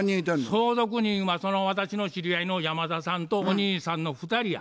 相続人はその私の知り合いの山田さんとお兄さんの２人や。